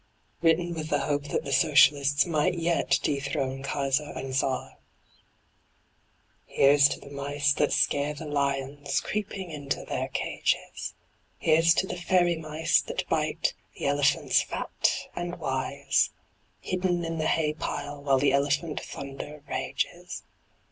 (Written with the hope that the socialists might yet dethrone Kaiser and Czar.) Here's to the mice that scare the lions, Creeping into their cages. Here's to the fairy mice that bite The elephants fat and wise: Hidden in the hay pile while the elephant thunder rages.